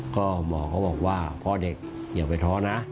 ก็หมอเขาบอกว่าพ่อเด็กอย่าไปท้อนะ